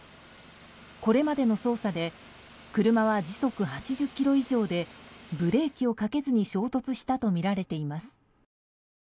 これまでの捜査で車は時速８０キロ以上でブレーキをかけずに衝突したとみられています。